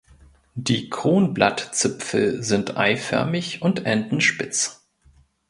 Die Kronblattzipfel sind eiförmig und enden spitz.